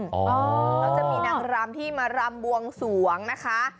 แล้วจะมีนางรำที่มารำบวงสวงนะคะ